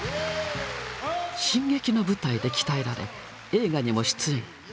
新劇の舞台で鍛えられ映画にも出演。